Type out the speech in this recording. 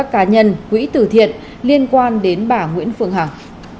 cá nhân quỹ tử thiện liên quan đến bà nguyễn phương hằng